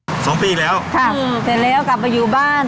๒ปีก่อนอีกแล้วค่ะเสร็จแล้วกลับมาอยู่บ้าน